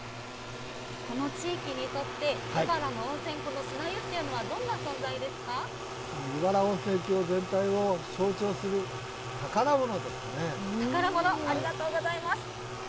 この地域にとって、湯原の温泉、この砂湯というのはどんな存在で湯原温泉峡全体を象徴する宝宝物、ありがとうございます。